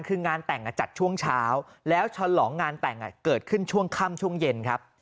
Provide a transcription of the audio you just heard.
คืองานแต่งจัดช่วงเช้าแล้วฉลองงานแต่งเกิดขึ้นช่วงค่ำช่วงเย็นครับ